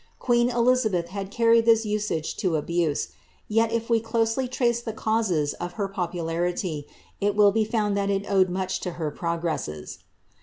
Queen Elizabeth had carried this usage to an abuse; yet, if we closely trace the causes of her popularity, it will be found that it owed much to her progresses.